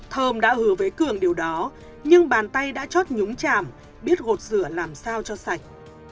thơm đã hứa với cường điều đó nhưng bàn tay đã chót nhúng chàm biết gột rửa làm sao cho sạch